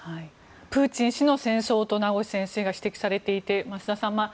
プーチン氏の戦争と名越先生が指摘されていて増田さん